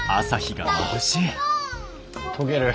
あ溶ける。